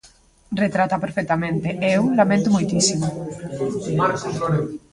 Retrátaa perfectamente, e eu laméntoo moitísimo.